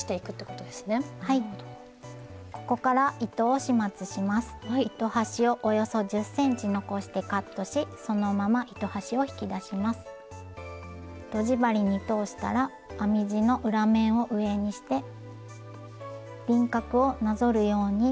とじ針に通したら編み地の裏面を上にして輪郭をなぞるように端の編み目に通します。